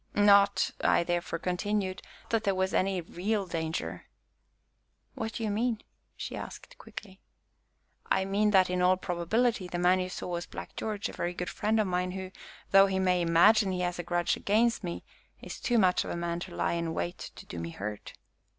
"Not," I therefore continued, "that there was any real danger." "What do you mean?" she asked quickly. "I mean that, in all probability, the man you saw was Black George, a very good friend of mine, who, though he may imagine he has a grudge against me, is too much of a man to lie in wait to do me hurt."